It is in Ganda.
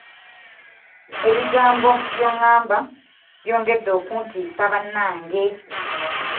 Ebigambo byongamba byongedde okuntiisa bannange.